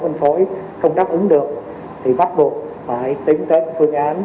phân phối không đáp ứng được thì bắt buộc phải tính tới phương án